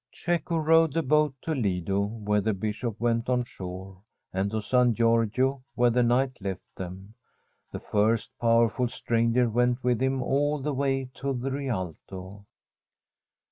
Cecco rowed the boat to Lido, where the Bishop went on shore, and to San Giorgio, where the knight left them. The first powerful stranger went with him all the way to the Rialto.